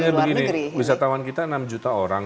artinya begini wisatawan kita enam juta orang